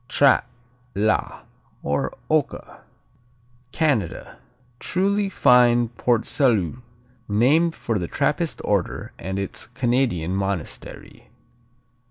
Trappe, la, or Oka Canada Truly fine Port Salut named for the Trappist order and its Canadian monastery.